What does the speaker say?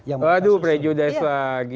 aduh prejudis lagi